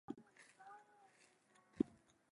He played college football for the Simon Fraser Clan.